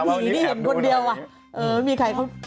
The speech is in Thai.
มีพี่นี่เห็นคนเดียวมีใครเขา